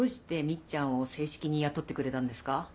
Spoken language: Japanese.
っちゃんを正式に雇ってくれたんですか？